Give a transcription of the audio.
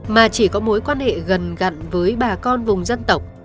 mà chỉ có mối quan hệ gần gặn với bà con vùng dân tộc